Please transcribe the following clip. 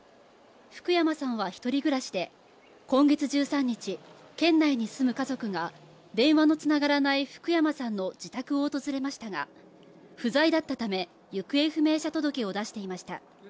福山さんは１人暮らしで今月１３日県内に住む家族が電話のつながらない福山さんの自宅を訪れましたが不在だったため行方不明届を出していました。